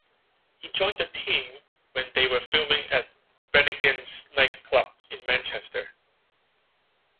He joined the team when they were filming at Brannigans Nightclub in Manchester.